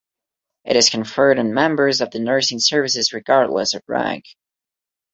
It is conferred on members of the nursing services regardless of rank.